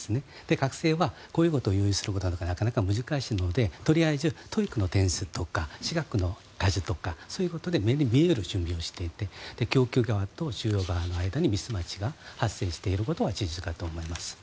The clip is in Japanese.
学生はこういうことを伸ばすのはなかなか難しいのでとりあえずＴＯＥＩＣの点数とか私学の点数とかそういうことで目に見える準備をしていて供給と需要の間にミスマッチが発生していることは事実だと思います。